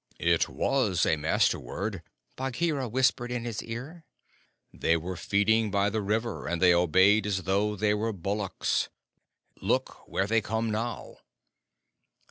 "It was a Master word," Bagheera whispered in his ear. "They were feeding by the river, and they obeyed as though they were bullocks. Look, where they come now!"